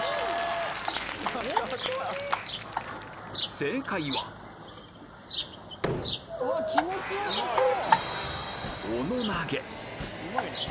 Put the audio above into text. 正解は気持ちよさそう！